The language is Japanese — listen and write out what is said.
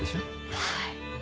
はい。